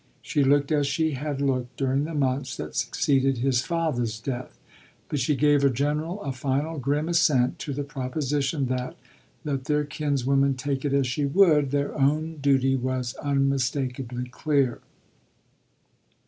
She looked as she had looked during the months that succeeded his father's death, but she gave a general, a final grim assent to the proposition that, let their kinswoman take it as she would, their own duty was unmistakably clear.